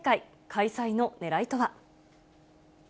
開催のねらいとは。